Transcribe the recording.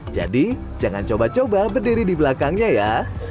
jadi jangan coba coba berdiri di belakangnya ya